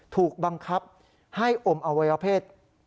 ถูกบังคับให้อมอวัยวเพศ